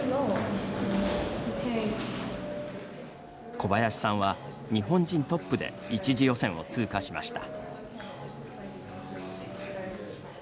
小林さんは、日本人トップで１次予選を通過しました。